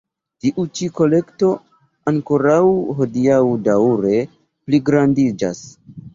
Tiu ĉi kolekto ankoraŭ hodiaŭ daŭre pligrandiĝas.